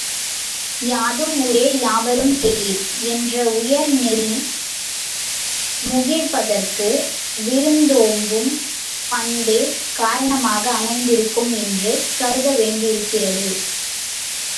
யாதும் ஊரே யாவரும் கேளிர் என்ற உயர் நெறி முகிழ்ப்பதற்கு விருந்தோம்பும் பண்பே காரணமாக அமைந்திருக்கும் என்று கருதவேண்டியிருக்கிறது.